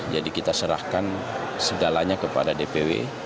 jadi kita serahkan segalanya kepada dpw